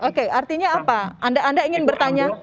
oke artinya apa anda ingin bertanya